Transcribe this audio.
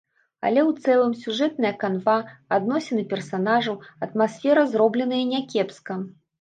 Але ў цэлым сюжэтная канва, адносіны персанажаў, атмасфера зробленыя някепска.